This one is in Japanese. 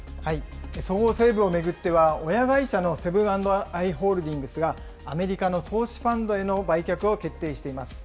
そごう・西武を巡っては、親会社のセブン＆アイ・ホールディングスが、アメリカの投資ファンドへの売却を決定しています。